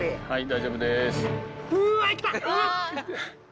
大丈夫です。